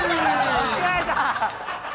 間違えた！